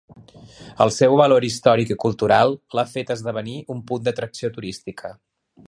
El seu valor històric i cultural l'ha fet esdevenir un punt d'atracció turística.